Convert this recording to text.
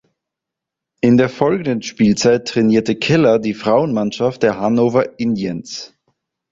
In der folgenden Spielzeit trainierte Keller die Frauenmannschaft der Hannover Indians.